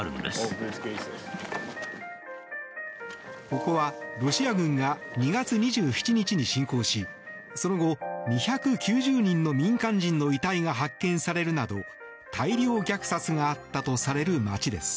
ここはロシア軍が２月２７日に侵攻しその後、２９０人の民間人の遺体が発見されるなど大量虐殺があったとされる街です。